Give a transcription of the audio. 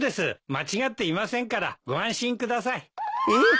間違っていませんからご安心ください。えっ？